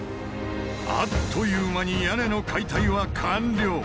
あっという間に屋根の解体は完了。